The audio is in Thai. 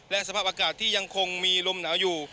และสภาพอากาศที่ยังคงมีลมหนาวอยู่